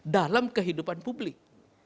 dalam kehidupan publik